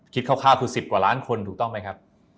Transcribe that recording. คร่าวคือ๑๐กว่าล้านคนถูกต้องไหมครับ